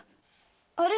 あれ？